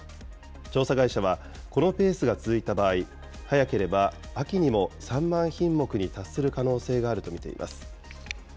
調査会社は、このペースが続いた場合、早ければ秋にも３万品目に達する可能性があると見ています。